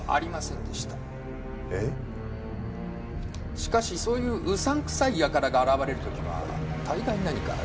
しかしそういう胡散臭い輩が現れる時は大概何かある。